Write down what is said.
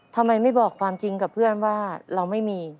ทำไมไม่บอกความจริงกับเพื่อนว่าเราไม่มี